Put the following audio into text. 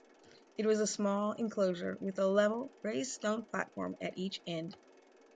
It was a small enclosure with a level, raised stone platform at each end.